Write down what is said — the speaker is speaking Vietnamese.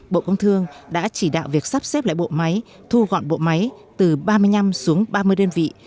bộ công thương đã chỉ đạo việc sắp xếp lại bộ máy thu gọn bộ máy từ ba mươi năm xuống ba mươi đơn vị